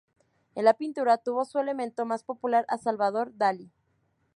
En la pintura, tuvo su elemento más popular a Salvador Dalí.